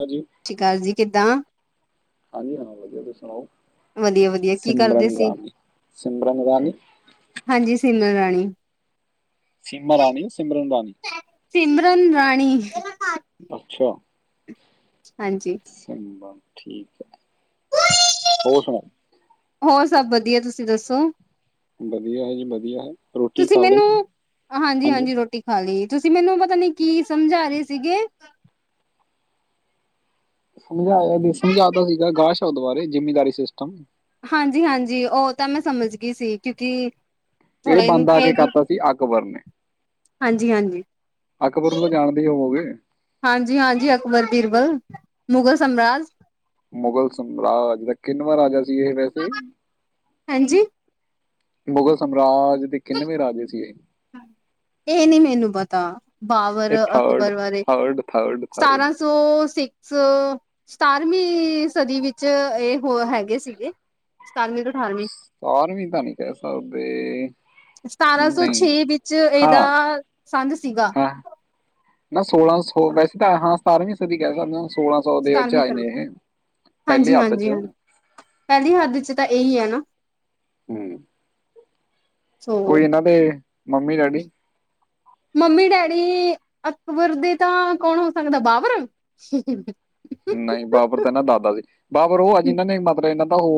ਭਾਜੀ। ਠੀ ਕਾਲ ਜੀ ਕਿੱਦਾਂ? ਹਾਂਜੀ ਹਾਂ ਵਧੀਆ ਤੁਸ ਸੁਣਾਓ, ਵਧੀਆ ਵਧੀਆ ਕੀ ਕਰਦੇ ਸਿਮਰਨ ਸੀ ਰਾਣੀ, ਸਿਮਰਨ ਰਾਣੀ। ਹਾਂਜੀ ਸੀਮਾ ਰਾਣੀ। ਸੀਮਾ ਰਾਣੀ ਸਿਮਰਨ ਰਾਣੀ ਸਿਮਰਨ ਰਾਣੀ। ਅੱਛਾ! ਹਾਂਜੀ। ਸਿਮਰਨ ਠੀਕ ਐ, ਹੋਰ ਸੁਣਾ? ਹੋਰ ਸਭ ਵਧੀਆ ਤੁਸੀਂ ਦੱਸੋ? ਵਧੀਆ ਹੈ ਜੀ ਵਧੀਆ ਹੈ ਰੋਟੀ ਤੁਸੀਂ ਖਾ ਲਈ ਮੈਨੂੰ, ਹਾਂਜੀ ਹਾਂਜੀ-ਹਾਂਜੀ ਰੋਟੀ ਖਾਲੀ ਤੁਸੀਂ ਮੈਨੂੰ ਪਤਾ ਨੀ ਕੀ ਸਮਝਾ ਰੇ ਸੀਗੇ। ਸਮਝਾਇਆ ਸਮਝਾਤਾ ਸੀਗਾ ਗਾ ਸ਼ਬਦ ਬਾਰੇ ਜਿੰਮੀਦਾਰੀ ਸਿਸਟਮ। ਹਾਂਜੀ-ਹਾਂਜੀ ਓ ਤਾਂ ਮੈਂ ਸਮਝ ਗੀ ਸੀ ਕਿਉਂਕਿ ਏ ਥੋੜਾ ਇਹ ਬੰਦ ਆ ਕੇ ਕਰਤਾ ਸੀ ਅਕਬਰ ਨੇ। ਹਾਂਜੀ-ਹਾਂਜੀ। ਅਕਬਰ ਨੂੰ ਤਾਂ ਜਾਣਦੇ ਈ ਹੋਵੋਗੇ? ਹਾਂਜੀ-ਹਾਂਜੀ ਅਕਬਰ, ਬੀਰਬਲ ਮੁਗਲ ਸਮਰਾਜ। ਮੁਗਲ ਸਮਰਾਜ ਦਾ ਕਿੰਨਵਾਂ ਰਾਜਾ ਸੀ ਇਹ ਵੈਸੇ? ਹਾਂਜੀ ਮੁਗ਼ਲ ਸਮਰਾਜ ਦੇ ਕਿੰਨਵੇਂ ਰਾਜੇ ਸੀ ਇਹ? ਇਹ ਨੀ ਮੈਨੂੰ ਪਤਾ ਬਾਬਰ, ਇਹ ਥਰਡ ਅਕਬਰ ਬਾਰੇ, ਥਰਡ ਥਰਡ ਥਰਡ ਸਤਾਰਾਂ ਸੋਂ ਸਿਕਸ ਸਤਾਰਵੀਂ ਸਦੀ ਵਿੱਚ ਏ ਓ ਹੈਗੇ ਸੀਗੇ। ਸਤਾਰਵੀ ਤੋਂ ਅਠਾਰਵੀਂ ਸਤਾਰਵੀਂ ਤਾਂ ਨੀ ਕੈ ਸਕਦੇ। ਸਤਾਰਾਂ ਸੌ ਨਹੀਂ ਛੇ ਵਿੱਚ ਏਦਾ ਹਾਂ ਸੰਨ ਸੀਗਾ। ਹਾਂ ਨਾ ਸੋਲਾਂ ਸੋ ਵੈਸੇ ਤਾਂ ਹਾਂ ਸਤਾਰਵੀਂ ਸਦੀ ਕੈ ਸਕਦੇ ਆ ਸੋਲਾਂ ਸੌ ਦੇ ਓ ਚ ਸਤਾਰਵੀਂ ਆਏ ਨੇ ਸਦੀ ਇਹ ਹਾਂਜੀ ਪੈਲੇ ਅੱਧ ਹਾਂਜੀ ਚ ਹਾਂ ਪਹਿਲੀ ਹੱਦ'ਚ ਤਾਂ ਇਹੀ ਆ ਨਾ? ਹੂੰ, ਸੋ ਕੋਈ ਏਨਾਂ ਦੇ ਮੰਮੀ-ਡੈਡੀ ਮੰਮੀ-ਡੈਡੀ ਅਕਬਰ ਦੇ ਤਾਂ ਕੌਣ ਹੋ ਸਕਦਾ, ਬਾਬਰ? ਨਈ, ਬਾਬਰ ਤਾਂ ਏਨਾਂ ਦਾਦਾ ਸੀ। ਬਾਬਰ ਓ ਆ ਜਿਨਾਂ ਨੇ ਮਤਲਬ ਏਨਾਂ ਦਾ ਓ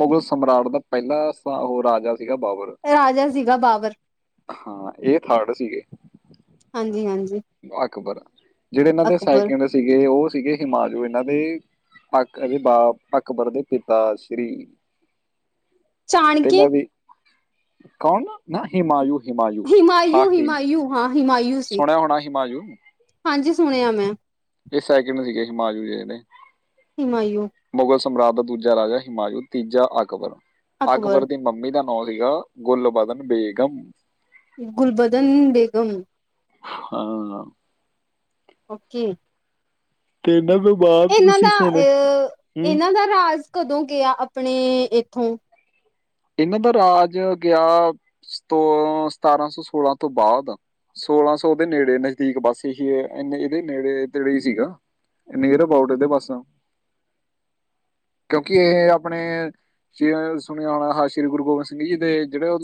ਮੁਗਲ ਸਮ ਓਨਾਂ ਦਾ ਪੈਲਾਂ ਉਹ ਰਾਜਾ ਸੀਗਾ ਬਾਬਰ। ਰਾਜਾ ਸੀਗਾ ਬਾਬਰ। ਹਾਂ, ਏ ਥਰਡ ਸੀਗੇ। ਹਾਂਜੀ-ਹਾਂਜੀ। ਅਕਬਰ। ਜਿਹੜੇ ਏਨਾਂ ਦੇ ਸੈਕਿੰਡ ਸੀਗੇ, ਓ ਸੀਗੇ ਹੂੰਮਾਯੂ, ਏਨਾਂ ਦੇ ਅਕ ਏਦੇ ਬਾਪ ਅਕਬਰ ਦੇ ਪਿਤਾ ਸ਼੍ਰੀ। ਚਾਣਕੇ [unintelligible] ਕੌਣ ਨਾ ਹੂੰਮਾਯੂ। ਹਿਮਾਯੂ ਹਿਮਾਯੂ ਹਾਂ ਹਿਮਾਯੂ ਸੀ ਸੁਣਿਆ ਹੋਣਾ ਹਿਮਾਯੂ ਹਾਂਜੀ, ਸੁਣਿਆ ਮੈਂ। ਏ ਸੈਕਿੰਡ ਸੀਗੇ ਹਿਮਾਯੂ ਜੇੜੇ ਨੇ। ਹਿਮਾਯੂ। ਮੁਗਲ ਸਮਰਾਜ ਦਾ ਦੂਜਾ ਰਾਜਾ ਹਿਮਾਯੂ, ਤੀਜਾ ਅਕਬਰ। ਅਕਬਰ ਦੀ ਮੰਮੀ ਦਾ ਨੋ ਸੀਗਾ ਗੁੱਲਬਦਨ ਬੇਗਮ। ਗੁਲਬਦਨ ਬੇਗਮ। ਹਾਂ। ਓਕੇ। ਤੇ ਫਿਰ ਬਾਦ ਚ ਇਹਨਾਂ ਦਾ ਤੁਸੀਂ ਸੁਣ, ਅ ਇਹਨਾਂ ਦਾ ਰਾਜ ਕਦੋਂ ਗਿਆ ਆਪਣੇ ਏਥੋਂ? ਏਨਾਂ ਦਾ ਰਾਜ ਗਿਆ ਸਤੋ ਸਤਾਰਾਂ ਸੌ ਸੋਲਾਂ ਤੋਂ ਬਾਅਦ ਸੋਲਾਂ ਸੌ ਦੇ ਨੇੜੇ ਨਜ਼ਦੀਕ ਬੱਸ ਇਹੀ। ਐਨੇ ਏਦੇ ਨੇੜੇ-ਤੇੜੇ ਹੀ ਸੀਗਾ। ਨਿਅਰ ਅਬਾਊਟ, ਏਦੇ ਬਸ। ਕਿਉਂਕਿ ਇਹ ਆਪਣੇ ਸੁਣਿਆ ਹੋਨਾ। ਹਾਂ, ਸ਼੍ਰੀ ਗੁਰੂ ਗੋਬਿੰਦ ਸਿੰਘ ਜੀ ਦੇ ਜਿਹੜੇ ਓ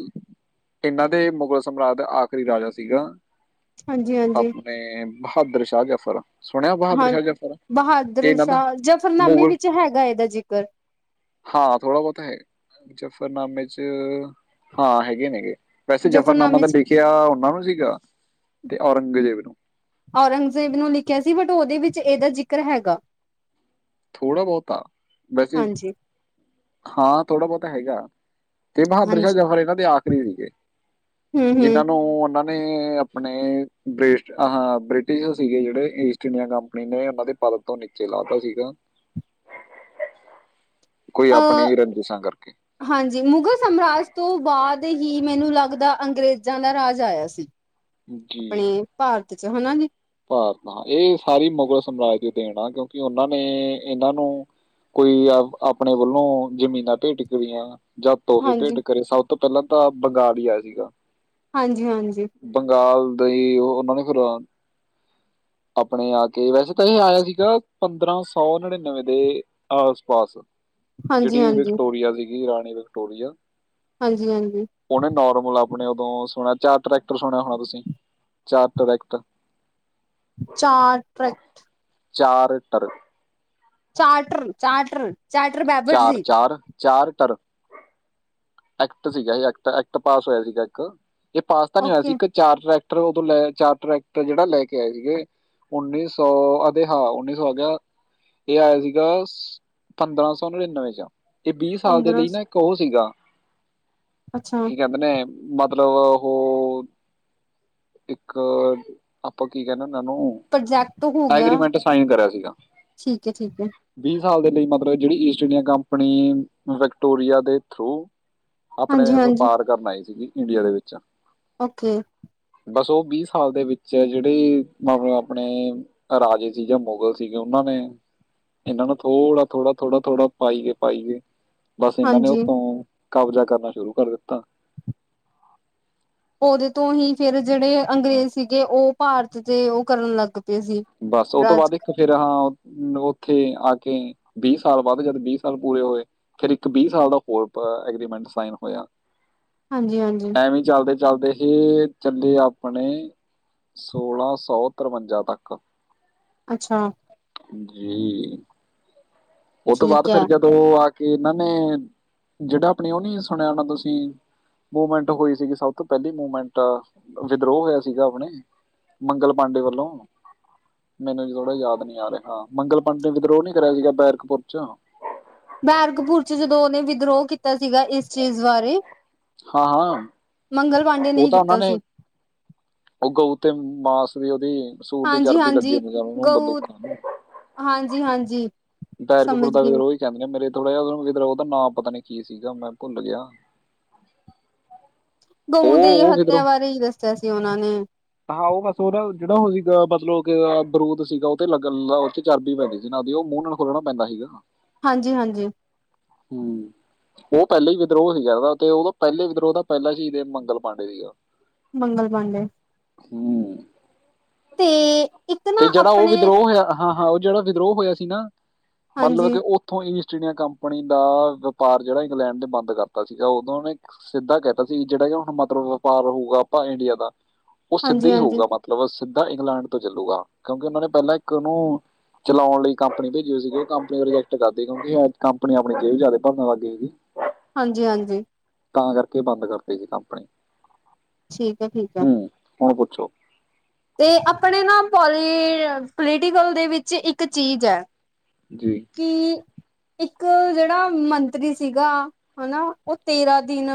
ਏਨਾਂ ਦੇ ਮੁਗਲ ਸਮਰਾਜ ਦਾ ਆਖਰੀ ਰਾਜਾ ਸੀਗਾ। ਹਾਂਜੀ ਹਾਂਜੀ ਆਪਣੇ ਬਹਾਦਰ ਸ਼ਾਹ ਜਫਰ ਸੁਣਿਆ, ਬਹਾਦਰ ਸ਼ਾਹ ਜਫਰ ਏਨਾ ਦਾ? ਫਰਨਾਮੇ ਮੁਗਲ ਵਿੱਚ ਹੈਗਾ, ਏਦਾ ਜ਼ਿਕਰ। ਹਾਂ, ਥੋੜਾ ਬਹੁਤ ਹੈ। ਜਾਫਰਨਾਮੇ'ਚ ਹਾਂ, ਹੈਗੇ ਨੇ ਗੇ। ਵੈਸੇ, ਜਫਰਨਾਮਾ ਜਫ਼ਰਨਾਮੇ ਤਾਂ ਚ ਲਿਖਿਆ ਓਨਾਂ ਨੂੰ ਸੀਗਾ ਤੇ ਔਰੰਗਜ਼ੇਬ ਨੂੰ। ਔਰੰਗਜ਼ੇਬ ਨੂੰ ਲਿਖਿਆ ਸੀ ਬਟ ਓਦੇ ਵਿੱਚ ਏਦਾ ਜ਼ਿਕਰ ਹੈਗਾ। ਥੋੜ੍ਹਾ ਬੋਤ ਆ ਵੈਸੇ, ਹਾਂਜੀ ਹਾਂ ਥੋੜਾ ਬੋਤਾ ਹੈਗਾ। ਤੇ ਬਹਾਦਰ ਸ਼ਾਹ ਹਾਂਜੀ ਜਫ਼ਰ ਏਨਾਂ ਦੇ ਆਖਰੀ ਸੀਗੇ, ਹਮ ਹਮ ਜਿਨਾਂ ਨੂੰ ਓਨਾਂ ਨੇ ਨੇ ਅਪਣੇ ਬ੍ਰਿਸ਼ਟ ਹਾਂ ਬ੍ਰਿਟਿਸ਼ਰ ਸੀਗੇ ਜੇੜੇ ਈਸਟ ਇੰਡੀਆ ਕੰਪਨੀ ਨੇ ਉਹਨਾਂ ਦੇ ਪਰ ਤੋਂ ਨੀਚੇ ਲਾਤਾ ਸੀਗਾ। ਕੋਈ ਆਪਣੀ ਅਹ ਈ ਰੰਜਿਸ਼ਾਂ ਕਰਕੇ। ਹਾਂਜੀ, ਮੁਗ਼ਲ ਸਮਾਰਾਜ ਤੋਂ ਬਾਦ ਹੀ ਮੈਨੂੰ ਲੱਗਦਾ ਅੰਗਰੇਜ਼ਾਂ ਦਾ ਰਾਜ ਆਇਆ ਸੀ। ਆਪਣੇ ਭਾਰਤ ਚ, ਹਨਾ ਜੀ? ਭਾਰਤਾਂ ਏਹ ਸਾਰੀ ਮੁਗ਼ਲ ਸਮਰਾਜ ਦੀ ਦੇਣ ਆ ਕਿਉਂਕਿ ਉਹਨਾਂ ਨੇ ਏਹਨਾਂ ਨੂੰ ਕੋਈ ਆਪ ਆਪਣੇ ਵੱਲੋਂ ਜ਼ਮੀਨਾਂ ਭੇਟ ਕਰਿਆ। ਜਾਂ ਤੋਹਫ਼ੇ ਹਾਂਜੀ ਭੇਟ ਕਰੇ, ਸਭ ਤੋਂ ਪੈਲਾਂ ਤਾਂ ਬੰਗਾਲ ਹੀ ਆਜੇਗਾ। ਹਾਂਜੀ, ਹਾਂਜੀ। ਬੰਗਾਲ ਦਈ ਓਹ ਬੰਦਖੂਰਾ ਅਪਣੇ ਆ ਕੇ ਵੈਸੇ ਤਾਂ ਏਹ ਆਇਆ ਸੀਗਾ ਪੰਦਰਾਂ ਸੌ ਨੜ੍ਹਿਨਵੇਂ ਦੇ ਆਸ-ਪਾਸ। ਹਾਂਜੀ ਜੇੜੀ ਹਾਂਜੀ ਵਿਕਟੋਰੀਆ ਸੀਗੀ, ਰਾਣੀ ਵਿਕਟੋਰੀਆ ਹਾਂਜੀ, ਹਾਂਜੀ। ਹੂਨੇ ਨੋਰਮਲ ਆਪਣੇ ਓਦੋਂ ਸੁਣਿਆ ਚਾਰ ਟਰੈਕਟਰ ਸੁਣਿਆ ਹੋਣਾ ਤੁਸੀਂ ਚਾਰ ਟਰੈਕਟਰ ਚਾਰ ਟਰੈਕ ਚਾਰ ਟਰ ਚਾਰਟਰਰ-ਚਾਰਟਰ ਚਾਰ-ਚਾਰ-ਚਾਰ ਟਰ। ਐਕਟ ਸੀਗਾ, ਏਹ ਐਕਟ ਐਕਟ ਪਾਸ ਹੋਇਆ ਸੀਗਾ ਇੱਕ, ਯੇ ਪਾਸ ਤਾਂ ਨੀ ਹੋਇਆ ਸੀ ਓਕੇ ਇੱਕ ਚਾਰ ਟਰੈਕਟਰ ਉਦੋਂ ਲੈ ਚਾਰ ਟਰੈਕਟਰ ਜੇੜਾ ਲੈ ਕੇ ਆਏ ਸੀਗੇ ਉੱਨੀ ਸੌ ਅਦੇ ਹਾਂ, ਉੱਨੀ ਸੌ ਅਗੈ ਏਹ ਆਇਆ ਸੀਗਾ ਪੰਦਰਾਂ ਸੌ ਨੜ੍ਹਿਨਵੇਂ ਚ ਏਹ ਬੀਹ ਸਾਲ ਦੇ ਪੰਦਰਾਂ ਲਈ ਨਾ ਇੱਕ ਓਹ ਸੀਗਾ ਅੱਛਾ ਕੀ ਕੈੰਦੇ ਨੇ ਮਤਲਬ ਹੋ ਇੱਕ ਆਪਾਂ ਕੀ ਕੈਣੈ ਏਹਨਾਂ ਨੂੰ ਪ੍ਰੋਜੈਕਟ ਹੋ ਗਿਆ ਐਗਰੀਮੈਂਟ ਸਾਈਨ ਕਰਿਆ ਸੀਗਾ। ਠੀਕ ਹੈ ਠੀਕ ਹੈ ਵੀਹ ਸਾਲ ਦੇ ਲਈ ਮਤਲਬ ਜੇੜੀ ਈਸਟ ਇੰਡੀਆ ਕੰਪਨੀ ਵਿਕਟੋਰੀਆ ਦੇ ਥਰੂ ਆਪਣੇ ਹਾਂਜੀ ਹਾਂਜੀ ਵਪਾਰ ਕਰਨ ਆਈ ਸੀਗੀ ਇੰਡੀਆ ਦੇ ਵਿੱਚ। ਓਕੇ। ਬਸ ਓਹ ਬੀਹ ਸਾਲ ਦੇ ਵਿੱਚ ਜੇੜੇ ਮਾਵੇ ਅਪਣੇ ਰਾਜੇ ਸੀ ਯਾ ਮੁਗਲ ਸੀਗੇ ਉਹਨਾਂ ਨੇ ਇਹਨਾਂ ਨੂੰ ਥੋੜਾ ਥੋੜਾ, ਥੋੜਾ ਥੋੜ੍ਹਾ ਪਾਈਗੇ ਪਾਈਗੇ। ਬਸ ਇਹਨਾਂ ਨੇ ਹਾਂਜੀ ਉੱਤੋ ਕਬਜ਼ਾ ਕਰਨਾ ਸ਼ੁਰੂ ਕਰ ਦਿੱਤਾ। ਓਹਦੇ ਤੋਂ ਹੀ ਫੇਰ ਜੇੜੇ ਹਾਂ, ਅੰਗਰੇਜ਼ ਸੀਗੇ ਓਹ ਭਾਰਤ ਤੇ ਓਹ ਕਰਨ ਲੱਗ ਪਏ ਸੀ ਬਸ ਉਹ ਤੋਂ ਰਾਜ ਬਾਦ ਇੱਕ ਫੇਰ ਹਾਂ ਓਥੇ ਆ ਕੇ ਬੀਹ ਸਾਲ ਬਾਦ ਜਦ ਬੀਹ ਸਾਲ ਪੂਰੇ ਹੋਏ ਫੇਰ ਇੱਕ ਬੀਹ ਸਾਲ ਦਾ ਹੋਰ ਪ ਐਗਰੀਮੈਂਟ ਸਾਈਨ ਹੋਇਆ। ਹਾਂਜੀ, ਹਾਂਜੀ। ਐਵੇਂ ਚੱਲਦੇ-ਚਲਦੇ ਹੀ ਚੱਲੇ ਆਪਣੇ ਸੋਲਾਂ ਸੌ ਤਰਵੰਜਾ ਤੱਕ। ਕ ਅੱਛਾ। ਜੀ। ਓਹ ਤੋਂ ਬਾਦ ਠੀਕ ਫਿਰ ਹੈ ਜਦੋਂ ਓਹ ਆ ਕੇ ਇਹਨਾਂ ਨੇ ਜੇੜਾ ਆਪਣੀ ਓਹ ਨੀ ਸੁਣਿਆ ਹੋਨਾਂ ਤੁਸੀਂ ਮੂਮੈਂਟ ਹੋਈ ਸੀਗੀ ਸਭ ਤੋਂ ਪੈਲੀ ਮੂਮੈਂਟ, ਵਿਦਰੋਹ ਹੋਇਆ ਸੀਗਾ ਅਪਣੇ। ਮੰਗਲ ਪਾਂਡੇ ਵੱਲੋਂ। ਮੈਨੂੰ ਹਜੇ ਥੋੜਾ ਯਾਦ ਨੀ ਆ ਰਿਆ ਹਾਂ, ਮੰਗਲ ਪਾੰਡੇ ਨੇ ਵਿਦਰੋਹ ਨੀ ਕਰਿਆ ਸੀਗਾ ਬੈਰਕਪੁਰ 'ਚ। ਬੈਰਗਪੁਰ ਚ' ਜਦੋਂ ਉਹਨੇ ਵਿਦਰੋਹ ਕੀਤਾ ਸੀਗਾ ਇਸ ਚੀਜ਼ ਬਾਰੇ ਹਾਂ-ਹਾਂ। ਮੰਗਲ ਪਾਂਡੇ ਉਹ ਹੀ ਤਾਂ ਉਹਨਾਂ ਕੀਤਾ ਨੇ ਸੀ ਉਹ ਗਊ ਤੇ ਮਾਸ ਦੀ ਉਹਦੀ ਸੂਰ ਦੀ ਹਾਂਜੀ ਚਰਬੀ ਲੱਗੀ ਹੁੰਦੀ ਜਾਵੇ ਉਹ ਬੰਦੂਖਾਂ ਹਾਂਜੀ-ਹਾਂਜੀ। ਦੈਰਕਪੁਰ ਦਾ ਵਿਧਰੋਹੀ ਕਹਿੰਦੇ ਨੇ, ਮੇਰੇ ਥੋੜ੍ਹਾ ਜਿਹਾ ਉਹ ਵੀ ਉਹਦਾ ਨਾਂ ਪਤਾ ਨ ਕੀ ਸੀਗਾ, ਮੈਂ ਭੁੱਲ ਗਿਆ। [inaudible] ਗਊ ਦੇ ਉਹ ਉਹ ਹੱਤਿਆ ਵਿਦਰੋਹ ਬਾਰੇ ਹੀ ਦੱਸਿਆ ਸੀ ਉਹਨਾਂ ਨੇ। ਹਾਂ, ਉਹ ਬਸ ਉਹਦਾ ਜਿਹੜਾ ਉਹ ਸੀਗਾ ਮਤਲਬ ਕਿ ਬਰੂਦ ਸੀਗਾ, ਉਹ ਤੇ ਲੱਗਣਦਾ ਉਹ 'ਚ ਚਰਬੀ ਪੈਂਦੀ ਜਿਨਾ ਦੀ, ਉਹ ਮੂੰਹ ਨਾਲ ਖੁਲਣਾ ਪੈਂਦਾ ਸੀਗਾ। ਹਾਂਜੀ-ਹਾਂਜੀ। ਹਮ। ਉਹ ਪਹਿਲੇ ਹੀ ਵਿਦਰੋਹ ਸੀਗਾ, ਇਹਦਾ ਤੇ ਉਹਦੋਂ ਪਹਿਲੇ ਵਿਦਰੋਹ ਦਾ ਪਹਿਲਾ ਹੀ ਮੰਗਲ ਪਾਂਡੇ ਸੀਗਾ। ਮੰਗਲ ਪਾਂਡੇ। ਹਮ, ਤੇ ਇੱਕ ਨਾ ਤੇ ਜਿਹੜਾ ਉਹ ਆਪਣੇ ਵਿਦਰੋਹ ਹੋਇਆ ਹਾਂ-ਹਾਂ, ਉਹ ਜਿਹੜਾ ਵਿਦਰੋਹ ਹੋਇਆ ਸੀ ਨਾ ਮਤਲਬ ਹਾਂਜੀ, ਕਿ ਉੱਥੋਂ ਈਸਟ ਇੰਡੀਆ ਕੰਪਨੀ ਦਾ ਵਪਾਰ ਜਿਹੜਾ ਇੰਗਲੈਂਡ ਨੇ ਬੰਦ ਕਰਤਾ ਸੀਗਾ। ਉਦੋਂ ਨੇ ਸਿੱਧਾ ਕਹਿਤਾ ਸੀ, ਜਿਹੜਾ ਕਿ ਹੁਣ ਮਤਲਬ ਵਪਾਰ ਹੋਊਗਾ ਆਪਾਂ ਇੰਡੀਆ ਦਾ ਉਹ ਸਿੱਧਾ ਹਾਂਜੀ, ਹੀ ਹਾਂਜੀ, ਹੋਊਗਾ, ਮਤਲਬ ਸਿੱਧਾ ਇੰਗਲੈਂਡ ਤੋਂ ਚੱਲੂਗਾ, ਕਿਉਂਕਿ ਉਹਨਾਂ ਨੇ ਪਹਿਲਾਂ ਇੱਕ ਉਹਨੂੰ ਚਲਾਉਣ ਲਈ ਕੰਪਨੀ ਭੇਜੀ ਸੀਗੀ, ਉਹ ਕੰਪਨੀ ਰਿਜੈਕਟ ਕਰਦੀ, ਕਿਉਂਕਿ ਕੰਪਨੀ ਆਪਣੀ ਜੇਬ ਜ਼ਿਆਦਾ ਭਰਨ ਲੱਗਈ ਸੀਗੀ। ਹ। ਹਾਂਜੀ- ਹਾਂਜੀ। ਤਾਂ ਕਰਕੇ ਬੰਦ ਕਰਦੇ ਸੀ ਕੰਪਨੀ। ਠੀਕ ਹੈ-ਠੀਕ ਹੈ। ਹੂੰ ਹੁਣ ਪੁਛੋ। ਤੇ ਆਪਣੇ ਨਾ ਪੋਲੀ ਪੋਲੀਟੀਕਲ ਦੇ ਵਿੱਚ ਇੱਕ ਚੀਜ਼ ਹੈ। ਜੀ। ਇੱਕ ਜਿਹੜਾ ਮੰਤਰੀ ਸੀਗਾ ਹਨਾ। ਉਹ ਤੇਰਾਂ ਦਿਨ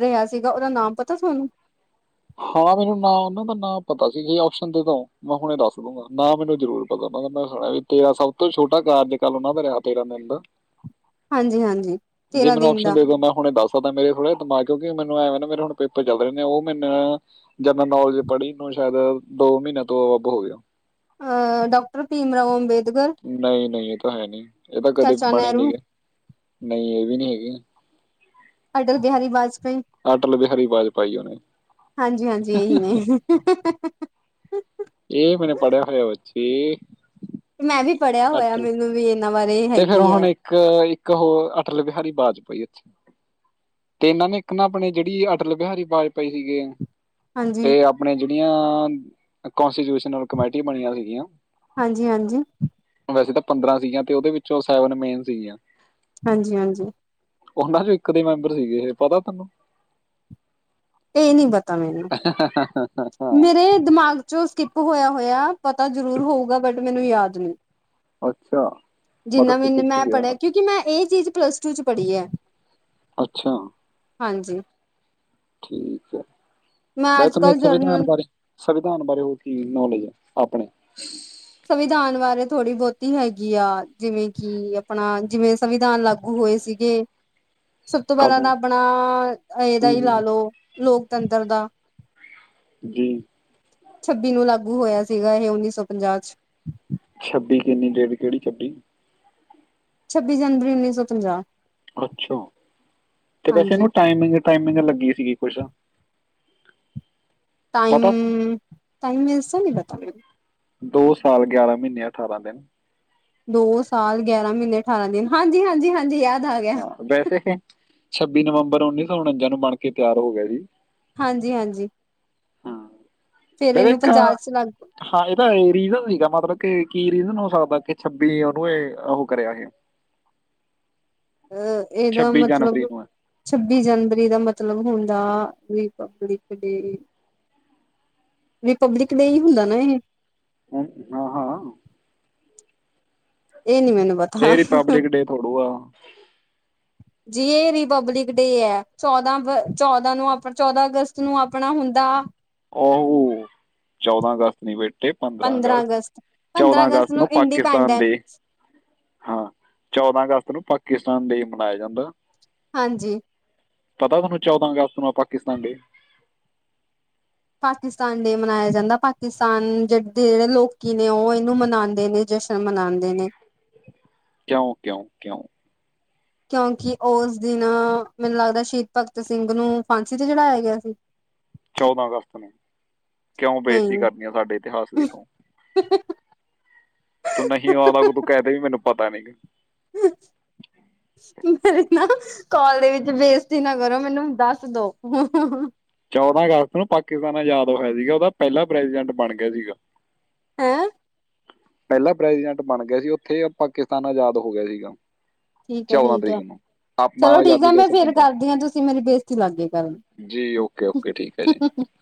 ਰਿਹਾ ਸੀਗਾ, ਉਹਦਾ ਨਾਮ ਪਤਾ ਤੁਹਾਨੂੰ? ਹਾਂ ਮੈਨੂੰ ਨ ਉਹਨਾਂ ਦਾ ਨਾਂ ਪਤਾ ਸੀ, ਜੇ ਆਪਸ਼ਨ ਦੇ ਤੋਂ ਮੈਂ ਹੁਣੇ ਦੱਸ ਦੂਗਾ। ਨਾ ਮੈਨੂੰ ਜ਼ਰੂਰ ਪਤਾ ਉਹਨਾਂ ਦਾ, ਮੈਂ ਸੁਣਿਆ ਵੀ ਤੇਰਾ ਸਭ ਤੋਂ ਛੋਟਾ ਕਾਰਜ ਕਲ ਉਹਨਾਂ ਦਾ ਰਿਹਾ ਤੇਰਾਂ ਦਿਨ ਦਾ। ਹਾਂਜੀ, ਹਾਂਜੀ ਜੇ ਤੇਰਾਂ ਮੈਨੂੰ ਦਿਨ ਓਪਸ਼ਨ ਦਾ ਦੇ ਦੋ ਮੈਂ ਹੁਣੇ ਦੱਸ ਸਦਾ, ਮੇ ਥੜਾ ਦਿਮਾ ਕਿਉਂ ਮੈਨੂੰਂ ਨਾ ਮੇਰੇ ਹੁਣ ਪੇਪਰ ਚਲ ਰਹੇ ਨੇ, ਉਹ ਮੈਂ ਨੂੰ ਜਨਰਲ ਨੌਲੇਜ ਪੜ੍ਹੀ ਨੂੰ ਸ਼ਾਇਦ ਦੋ ਮਹੀਨੇ ਤੋਂ ਉਪਰ ਹੋ ਗਿਆ। ਅ ਡਾਕਟਰ ਭੀਮ ਰਾਓ ਅੰਬੇਦਕਰ, ਨਹੀਂ- ਨਹੀਂ, ਇਹ ਤਾਂ ਹੈ ਨੀ, ਇਹ ਤਾਂ ਕਦੇ ਚਾਚਾ ਬਣੇ ਨਹੀਂ ਨਹਿਰੂ, ਗੀ। ਨਹੀਂ ਇਹ ਵੀ ਨਹੀਂ ਹੈਗੀ। ਅਟਲ ਬਿਹਾਰੀ ਵਾਜਪੇਈ। ਆਟਲ ਬਿਹਾਰੀ ਆਵਾਜ਼ ਪਾਈ ਉਹਨੇ। ਅੱਛਾ ਜੀ। ਇਹ ਮੈਣੇ ਪੜਿਆ ਹੋਇਆ ਵੱਚੀ। ਮੈਂ ਵੀ ਪੜ੍ਹਿਆ ਹੋਇਆ, ਮੈਨੂੰ ਵੀ ਇਹ ਤੇ ਫੇਰ ਹੁਣ ਇੱਕ- ਇੱਕ ਹੋਰ ਅਟਲ ਬਿਹਾਰੀ ਵਾਜਪਈ। ਇੱਥੇ ਤੇ ਇਹਨਾਂ ਨੇ ਇੱਕ ਨਾ ਆਪਣੇ ਜਿਹੜੀ ਅਟਲ ਬਿਹਾਰੀ ਵਾਜਪਾਈ ਸੀਗੇ। ਹਾਂਜੀ। ਤੇ ਆਪਣੇ ਜਿਹੜੀਆਂ ਕੋਂਸਟੀਚਿਊਸ਼ਨਲ ਕਮੇਟੀ ਬਣੀਆਂ ਸੀਗੀਆਂ। ਹਾਂਜੀ-ਹਾਂਜੀ। ਵੈਸੇ ਤਾਂ ਪੰਦਰਾਂ ਸੀਗੀਆਂ ਤੇ, ਉਹਦੇ ਵਿੱਚੋਂ ਸੈਵਨ ਮੇਨ ਸੀਗੀਆਂ। ਹਾਂਜੀ- ਹਾਂਜੀ। ਉਹਨਾਂ 'ਚ ਇੱਕ ਦੇ ਮੈਂਬਰ ਸੀਗੇ, ਪਤਾ ਤੈਨੂੰ? ਇਹ ਨਹੀਂ ਪਤਾ ਮੈਨੂੰ। ਹਾਂ ਮੇਰੇ ਦਿਮਾਗ ਚੋ ਸਕੀ ਹੋਇਆ, ਹੋਇਆ ਪਤਾ ਜ਼ਰੂਰ ਹੋਊਗਾ, ਬਟ ਮੈਨੂੰ ਯਾਦ ਨਹੀਂ। ਅੱਛਾ। ਜਿੰਨਾ ਮਤਲਬ ਵੀਨ ਮੈਂ ਸਿਕਿਉਰਿਟੀ ਆ ਪੜ੍ਹਿਆ, ਕਿਉਂਕਿ ਮੈਂ ਇਹ ਚੀਜ਼ ਪਲੱਸ ਟੂ 'ਚ ਪੜ੍ਹੀ ਹੈ। ਅੱਛਾ। ਹਾਂਜੀ। ਠੀਕ ਹੈ, ਮੈਂ ਅੱਜ ਤੂੰ ਕੱਲ੍ਹ ਸੰਵਿਧਾਨ ਜਰਨਲ ਬਾਰੇ ਸੰਵਿਧਾਨ ਬਾਰੇ ਹੋਰ ਕੀ ਨੌਲੇਜ ਹੈ, ਆਪਣੇ? ਸੰਵਿਧਾਨ ਬਾਰੇ, ਥੋੜ੍ਹੀ ਬਹੁਤੀ ਹੈਗੀ ਆ। ਜਿਵੇਂ ਕਿ ਆਪਣਾ, ਜਿਵੇਂ ਸੰਵਿਧਾਨ ਲਾਗੂ ਹੋਏ ਸੀ। ਸਭ ਤੋਂ ਪਹਿਲਾਂ ਆਪਣੀ ਤਾਂ ਆਪਣਾ, ਇਹਦਾ ਹੂੰ ਹੀ ਲਾ ਹੂੰ ਲਓ ਲੋਕਤੰਤਰ ਦਾ ਜੀ। ਛੱਬੀ ਨੂੰ ਲਾਗੂ ਹੋਇਆ ਸੀਗਾ, ਇਹ ਉੱਨੀ ਸੌ ਪੰਜਾਹ। ਛਬੀ ਕਿੰਨੀ ਡੇਟ, ਕਿਹੜੀਛੱਬੀ? ਛੱਬੀ ਜਨਵਰੀ ਉੱਨੀ ਸੌ ਪੰਜਾਹ। ਅੱਛਾ ਤੇ ਵੈਸੇ ਹਾਂਜੀ ਇਹਨੂੰ ਟਾਈਮਿੰਗ, ਟਾਈਮਿੰਗ ਲੱਗੀ ਸੀਗੀ, ਕੁਛ? ਪਤਾ ਸੀ? ਟਾਈਮ, ਟਾਈਮ ਵਸੇ ਨੀ ਪਤਾ ਮ ਦੋ ਸਾਲ, ਗਿਆਰਾਂ ਮਹੀਨੇ, ਅਠਾਰਾਂ ਦਿਨ। ਦੋ ਸਾਲ, ਗਿਆਰਾਂ ਮਹੀਨੇ, ਅਠਾਰਾਂ ਦਿਨ ਹਾਂਜੀ, ਹਾਂਜੀ, ਹਾਂਜੀ ਯਾਦ ਆ ਗਿਆ। ਹਾਂ ਵੈਸੇ, ਛੱਬੀ ਨਵੰਬਰ ਉੱਨੀ ਸੌ ਉਣੰਜਾ ਨੂੰ ਬਣ ਕੇ ਤਿਆਰ ਹੋ ਗਿਆ ਸੀ। ਹਾਂਜੀ, ਹਾਂਜੀ। ਪੰਜਾਬ [unintelligible] ਚ ਲੱਗ ਹਾਂ ਇਹਦਾ ਰੀਜ਼ਨ ਸੀਗਾ ਮਤਲਬ ਕਿ, ਕੀ ਰੀਜ਼ਨ ਹੋ ਸਕਦਾ ਕਿ ਛੱਬੀ ਉਹਨੂੰ ਇਹ ਉਹ ਕਰਿਆ। [unintelligible] ਆ ਇਹਦਾ ਮਤਲਬ ਜਨਵਰੀ ਨੂੰ ਹੈ। ਛੱਬੀ ਜਨਵਰੀ ਦਾ ਮਤਲਬ ਹੁੰਦਾ, ਰਿਪਬਲਿਕ ਡੇ ਰਿਪਬਲਿਕ ਡੇ ਹੀ ਹੁੰਦਾ ਨਾ ਇਹ? ਹਾਂ, ਹਾਂ। ਇਹ ਨਹੀਂ ਮੈਨੂੰ ਪਤਾ। ਹਮ। ਜੀ ਇਹ, ਰਿਪਬਲਿਕ ਡੇ ਐ। ਚੌਦਾਂ, ਚੌਦਾਂ ਨੂੰ ਆਪ ਚੌਦਾਂ ਅਗਸਤ ਨੂੰ ਆਪਣਾ ਹੁੰਦਾ ਉਹ, ਚੌਦਾਂ ਅਗਸਤ ਨ ਬੇਟੇ ਪੰਦਰਾਂ ਅਗਸਤ, ਚੌਦਾਂ ਅਗਸਤ ਨੂੰ ਪਾਕਿਸਤਾਨ ਦੇ ਹਾਂ ਚੌਦਾਂ ਅਗਸਤ ਨੂੰ, ਪਾਕਿਸਤਾਨ ਡੇ ਮਨਾਇਆ ਜਾਂਦਾ। ਹਾਂਜੀ। ਪਤਾ ਤੁਹਾਨੂੰ, ਚੌਦਾਂ ਅਗਸਤ ਨੂੰ ਆ ਪਾਕਿਸਤਾਨ ਡੇ? ਪਾਕਿਸਤਾਨ ਡੇ ਮਨਾਇਆ ਜਾਂਦਾ। ਪਾਕਿਸਤਾਨ 'ਜ ਦੇ ਜਿਹੜੇ ਲੋਕੀ ਨੇ, ਉਹ ਇਹਨੂੰ ਮਨਾਉਂਦੇ ਨੇ। ਜਸ਼ਨ ਮਨਾਉਂਦੇ ਨੇ। ਕਿਉਂ, ਕਿਉਂ, ਕਿਉਂ? ਕਿਉਂਕਿ ਉਸ ਦਿਨ ਮੈਨੂੰ ਲੱਗਦਾ, ਸ਼ਹੀਦ ਭਗਤ ਸਿੰਘ ਨੂੰ ਫਾਂਸੀ ਤੇ ਚੜਾਇਆ ਗਿਆ ਸੀ? ਚੌਦਾਂ ਅਗਸਤ ਨੂੰ, ਕਿਉਂ ਬੇਜ਼ਤੀ ਨਹੀਂ ਕਰਨੀ ਆ ਸਾਡੇ ਇਤਿਹਾਸ ਦੀ ਤੂੰ। ਤੂੰ ਨਹੀਂ ਆਂਦਾ, ਕੋ ਤੂੰ ਕਹਿ ਦੇ ਵੀ ਮੈਨੂੰ ਪਤਾ ਨੀ। [unintelligible] ਮੇਰੀ ਨਾ ਕਾਲ ਦੇ ਵਿੱਚ ਬੇਸਤੀ ਨਾ ਕਰੋ ਮੈਨੂੰ ਦੱਸ ਦੋ ਚੌਦਾਂ ਅਗਸਤ ਨੂੰ ਪਾਕਿਸਤਾਨ ਆਜ਼ਾਦ ਹੋਇਆ ਸੀਗਾ ਉਹਦਾ ਪਹਿਲਾ ਪ੍ਰੈਜੀਡੈਂਟ ਬਣ ਗਿਆ ਸੀਗਾ। ਹੈਂ? ਪਹਿਲਾ ਪ੍ਰੈਜੀਡੈਂਟ ਬਣ ਗਿਆ ਸੀ ਉੱਥੇ ਪਾਕਿਸਤਾਨ ਆਜ਼ਾਦ ਹੋ ਗਿਆ ਸੀਗਾ। ਠੀਕ ਹੈ ਠੀਕ ਤਰੀਕ ਹੈ। ਨੂੰ ਆਪਾਂ ਚਲੋ ਠੀਕ ਆਜ਼ਾਦੀ ਆ ਮੈਂ ਦਿਵਸ ਫੇਰ ਕਰਦੀ ਹਾਂ ਤੁਸੀਂ ਮੇਰੀ ਬੇਜ਼ਤੀ ਲੱਗ ਗਏ ਕਰਨ। ਜੀ ਓਕੇ ਓਕੇ ਠੀਕ ਹੈ ਜੀ। [unintelligible]